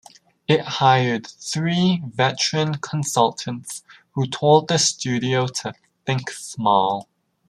It hired three veteran consultants, who told the studio to "think small".